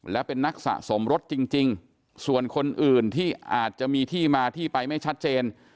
และเป็นนักสะสมรสจริงส่วนคนอื่นที่อาจจะมีที่มาที่ไปไม่ชัดเจน